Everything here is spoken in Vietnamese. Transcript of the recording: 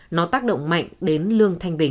nó tác động mạnh đến lương thanh bình